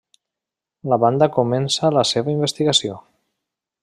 La banda comença la seva investigació.